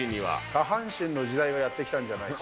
下半身の時代がやって来たんじゃないか。